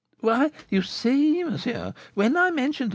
"Why, you see, monsieur, when I mentioned to M.